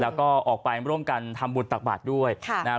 แล้วก็ออกไปร่วมกันทำบุญตักบาทด้วยนะครับ